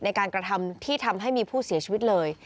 ในการกระทำที่ทำให้มีผู้เสียชีวิตเลย